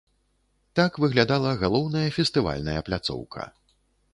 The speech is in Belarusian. Так выглядала галоўная фестывальная пляцоўка.